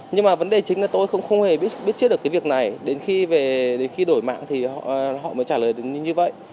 nhưng mà vấn đề chính là tôi không hề biết trước được cái việc này đến khi về khi đổi mạng thì họ mới trả lời như vậy